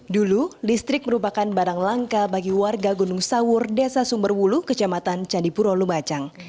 dulu listrik merupakan barang langka bagi warga gunung sawur desa sumberwulu kecamatan candipuro lumajang